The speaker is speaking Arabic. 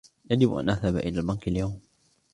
يجب أن أذهب إلى البنك اليوم.